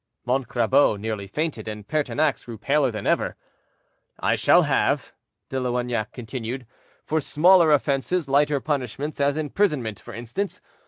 Montcrabeau nearly fainted, and Pertinax grew paler than ever. "I shall have," De Loignac continued, "for smaller offenses lighter punishments, as imprisonment, for instance.